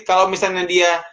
kalau misalnya dia